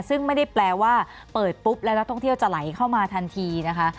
ซึ่งไม่ได้แปลว่าเปิดปุ๊บแล้วนักท่องเที่ยวจะไหลเข้ามาทันทีนะคะ